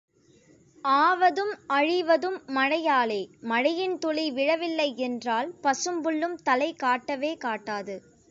ஆவதும் அழிவதும் மழையாலே, மழையின் துளி விழவில்லை என்றால் பசும்புல்லும் தலை காட்டவே காட்டாது.